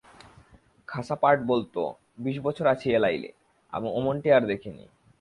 খাসা পার্ট বলত, বিশ বছর আছি এ লাইলে, অমনটি আর দেখিনি।